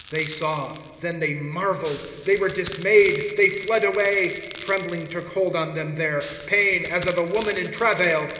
* They saw ; then they marveled ; They wore dismayed, they fled away. ^ Trembling took hold on them there. Pain, as of a woman in travail.